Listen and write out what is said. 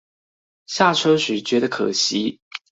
下車時覺得可惜